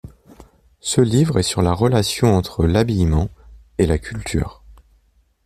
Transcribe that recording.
Ce livre est sur relation entre l'habillement et la culture.